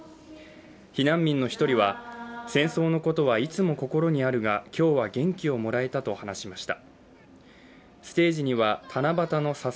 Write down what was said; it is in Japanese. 避難民の１人は戦争のことはいつも心にあるが、今日は元気をもらえたと話しました。